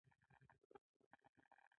تحقیق مې عقیم او خوار پاتې و.